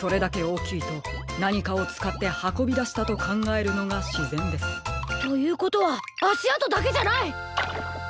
それだけおおきいとなにかをつかってはこびだしたとかんがえるのがしぜんです。ということはあしあとだけじゃない！